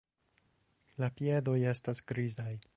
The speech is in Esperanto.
La piedoj estas grizaj.